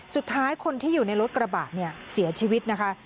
สุดท้ายคนที่อยู่ในรถกระบะเนี่ยเสียชีวิตนะคะ